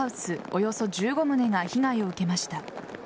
およそ１５棟が被害を受けました。